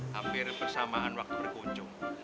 hampir bersamaan waktu berkunjung